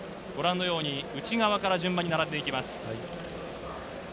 伏見が行って内側から順番に並んでいきます。